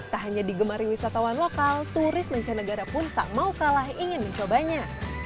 tak hanya digemari wisatawan lokal turis mancanegara pun tak mau kalah ingin mencobanya